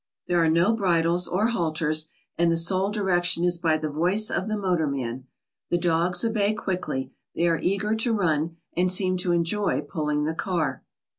There are no bridles or halters, and the sole direction is by the voice of the motor man. The dogs obey quickly, they are eager to run, and seem to enjoy pulling the car.